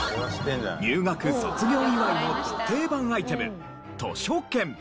入学卒業祝いのド定番アイテム図書券。